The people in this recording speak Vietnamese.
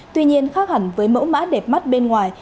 tuy nhiên khác hẳn với mẫu mã đẹp mắt bên ngoài